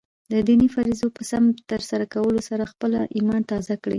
د دیني فریضو په سم ترسره کولو سره خپله ایمان تازه کړئ.